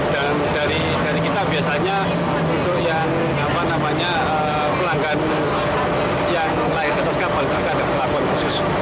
dan dari kita biasanya untuk yang apa namanya pelanggan yang berada diatas kapal akan ada pelakuan khusus